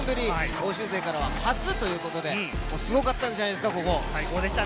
欧州勢からは初ということで、すごかったんじゃないですか？